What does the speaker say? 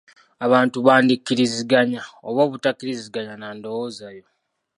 Abantu bandi kkiriziganya oba obutakkiriziganya na ndowooza yo.